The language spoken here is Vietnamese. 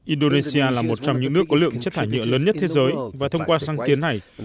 indonesia là một trong những nước có lượng chất thải nhựa lớn nhất thế giới và thông qua sáng kiến này